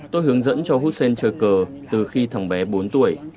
tôi hướng dẫn cho hussein chơi cờ từ khi thằng bé bốn tuổi